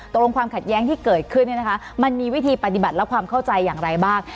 ความขัดแย้งที่เกิดขึ้นมันมีวิธีปฏิบัติและความเข้าใจอย่างไรบ้าง